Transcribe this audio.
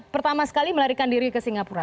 pertama sekali melarikan diri ke singapura